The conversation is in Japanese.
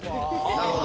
なるほど。